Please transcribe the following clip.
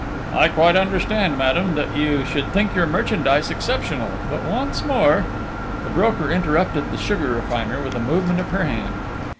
"I quite understand, madame, that you should think your merchandise exceptional.... But once more ..." The broker interrupted the sugar refiner with a movement of her hand.